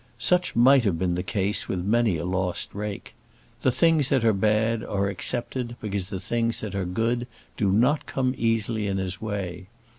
Such might have been the case with many a lost rake. The things that are bad are accepted because the things that are good do not come easily in his way.